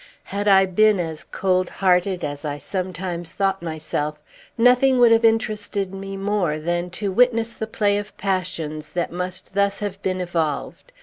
Had I been as cold hearted as I sometimes thought myself, nothing would have interested me more than to witness the play of passions that must thus have been evolved.